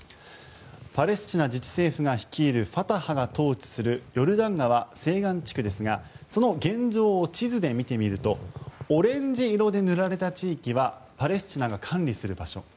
パレスチナ自治政府が率いるファタハが統治するヨルダン川西岸地区ですがその現状を地図で見てみるとオレンジ色で塗られた地域はパレスチナが管理する場所。